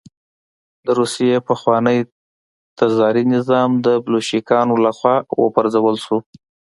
د روسیې پخوانی تزاري نظام د بلشویکانو له خوا وپرځول شو